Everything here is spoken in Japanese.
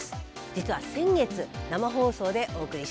実は先月生放送でお送りしました。